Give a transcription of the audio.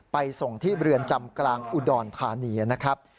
ไปส่งที่เรือนจำกลางอุดรธานีนะครับ